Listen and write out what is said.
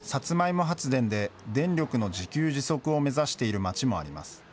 サツマイモ発電で、電力の自給自足を目指している町もあります。